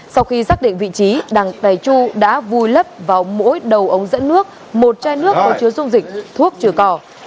sau khi giác định vị trí đặng tài chu đã vui lấp vào mỗi đầu ống dẫn nước một chai nước có chứa dung dịch thuốc trừ cỏ